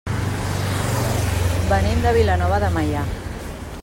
Venim de Vilanova de Meià.